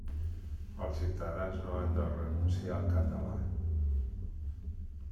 Els ciutadans no han de renunciar al català.